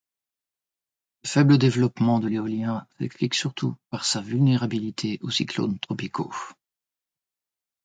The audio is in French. Le faible développement de l'éolien s'explique surtout par sa vulnérabilité aux cyclones tropicaux.